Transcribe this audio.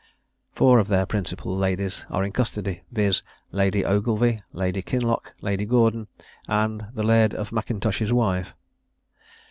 Four of their principal ladies are in custody, viz. Lady Ogilvie, Lady Kinloch, Lady Gordon, and the Laird of M'Intosh's wife.